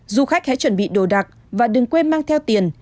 du khách hãy chuẩn bị đồ đạc và đừng quên mang theo tiền